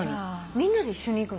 みんなで一緒に行くの？